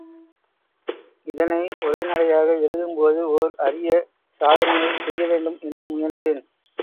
இதனை உரைநடையாக எழுதும் போது ஓர் அரிய சாதனையைச் செய்யவேண்டும் என்று முயன்றேன்.